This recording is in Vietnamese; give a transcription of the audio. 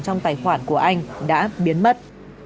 trong tài khoản của anh đã biến mất